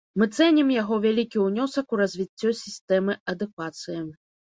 Мы цэнім яго вялікі ўнёсак у развіццё сістэмы адукацыі.